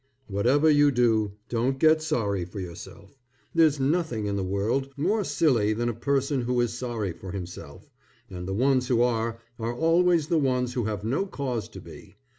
Whatever you do, don't get sorry for yourself. There's nothing in the world more silly than a person who is sorry for himself, and the ones who are, are always the ones who have no cause to be.